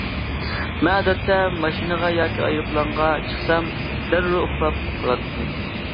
مەن ئادەتتە ماشىنا ياكى ئايروپىلانغا چىقسام دەررۇ ئۇخلاپ قالاتتىم.